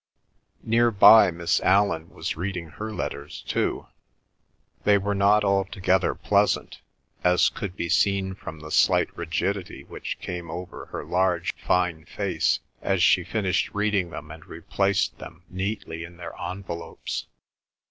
Near by, Miss Allan was reading her letters too. They were not altogether pleasant, as could be seen from the slight rigidity which came over her large fine face as she finished reading them and replaced them neatly in their envelopes.